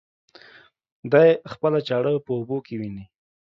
دى خپله چاړه په اوبو کې ويني.